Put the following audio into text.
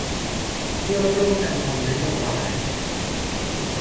เพื่อร่วมกันทำนโยบาย